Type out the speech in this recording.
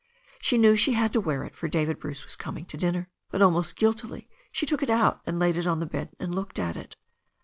She knew she had to wear it, for David^ Bruce was coming to dinner. But almost guiltily she took it out and laid it on the bed and looked at it.